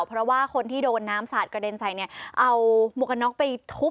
เพราะว่าคนที่โดนน้ำสาดกระเด็นใส่เอามกนอกไปทุบ